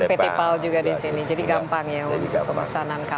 petipal juga di sini jadi gampang ya untuk pemesanan kapal